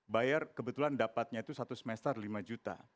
bayar kebetulan dapatnya itu satu semester lima juta